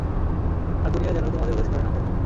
আর দুনিয়া যেন তোমাদের উদাস করে না ফেলে।